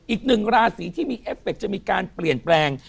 อีกหนึ่งราศีที่มีเอฟเฟคจะมีการเปลี่ยนแปลง